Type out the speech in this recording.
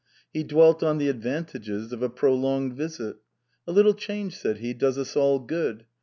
He dwelt on the advantages of a prolonged visit. "A little change," said he, " does us all good.